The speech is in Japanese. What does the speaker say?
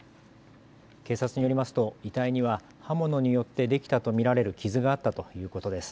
警察によりますと遺体には刃物によってできたと見られる傷があったということです。